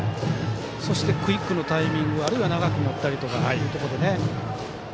クイックのタイミングあるいは長く持ったりとかああいうところでね。